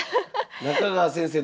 中川先生